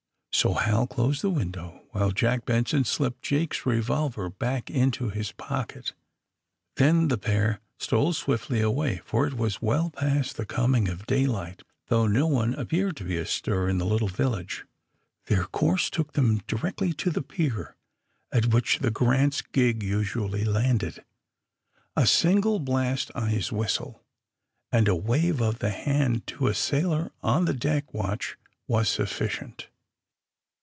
So Hal closed the window, while Jack Benson slipped Jake's revolver back into his pocket. Then the pair stole swiftly away, for it was well past the coming of daylight, though no one appeared to be astir in the little village. Their course took them directly to the pier at which the *^ Grant's" gig usually landed. A single blast on his whistle, and a wave of the hand to a sailor of the deck watch was sufficient.